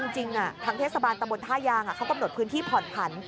จริงทางเทศบาลตะบนท่ายางเขากำหนดพื้นที่ผ่อนผัน